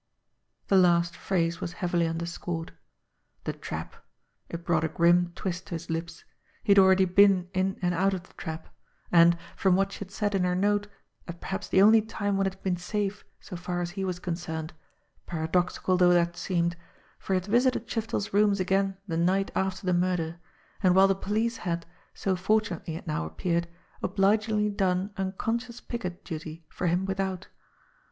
The last phrase was heavily underscored. The trap! It brought a grim twist to his lips. He had already been in THREADS 47 and out of the trap and, from what she had said in her note, at perhaps the only time when it had been safe so far as he was concerned, paradoxical though that seemed, for he had visited Shiftel's rooms again the night after the murder, and while the police had, so fortunately it now appeared, oblig ingly done unconscious picket duty for him without.